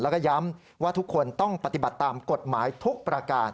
แล้วก็ย้ำว่าทุกคนต้องปฏิบัติตามกฎหมายทุกประการ